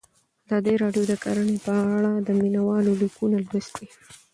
ازادي راډیو د کرهنه په اړه د مینه والو لیکونه لوستي.